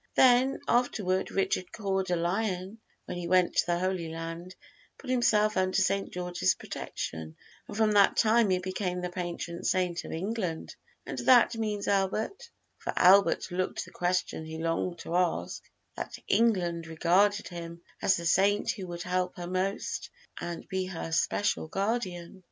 Then afterward Richard Cour de Lion, when he went to the Holy Land, put himself under St. George's protection, and from that time he became the patron saint of England, and that means, Albert" (for Albert looked the question he longed to ask), "that England regarded him as the saint who would help her most and be her special guardian."